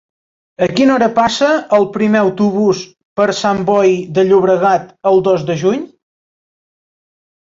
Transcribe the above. A quina hora passa el primer autobús per Sant Boi de Llobregat el dos de juny?